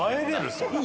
それ。